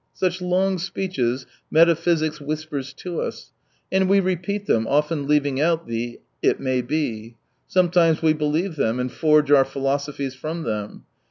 Such long speeches metaphysics whispers to us. And we repeat them, often leaving out the " it may be." Sometimes we believe them, and forge our philosophies from them.